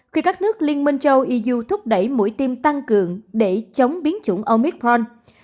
khi các nước liên minh châu iuu thúc đẩy mũi tiêm tăng cường để chống biến chủng omicron